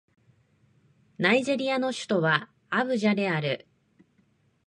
ナイジェリアの首都はアブジャである